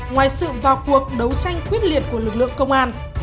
ngoài sự vào cuộc đấu tranh quyết liệt của lực lượng công an